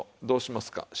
どうしますか？